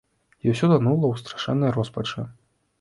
І ўсё танула ў страшэннай роспачы.